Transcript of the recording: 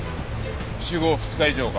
死後２日以上か。